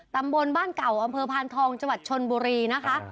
ตำบลบ้านเก่าอำเภอพานทองจังหวัดชนบุรีนะคะ